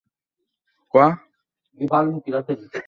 এটাকে তার রূপ-যৌবনের পরাজয় মনে করে।